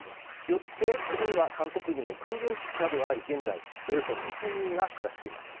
よって、ここには韓国軍の空軍基地などがあり現在およそ２０００人が暮らしています。